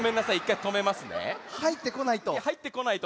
はいってこないと。